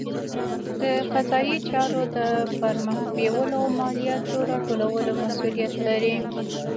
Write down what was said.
د قضایي چارو د پرمخ بیولو او مالیاتو راټولولو مسوولیت لري.